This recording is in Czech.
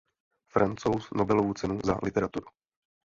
Francouz Nobelovu cenu za literaturu.